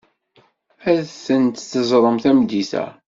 Ad tent-teẓrem tameddit-a.